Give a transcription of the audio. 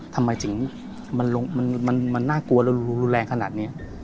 ทำไมถึงมันน่ากลัวแล้วรุนแรงขนาดนี้